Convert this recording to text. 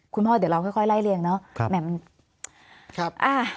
คุณพ่อเดี๋ยวเราค่อยไล่เรียงเนาะ